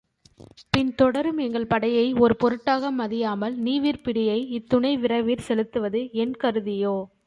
பின் தொடரும் எங்கள் படையை ஒரு பொருட்டாக மதியாமல் நீவிர் பிடியை இத்துணை விரைவிற் செலுத்துவது என் கருதியோ?